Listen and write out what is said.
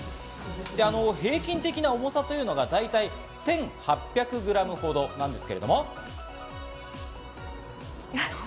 平均的な重さというのが大体１８００グラムほどなんですが。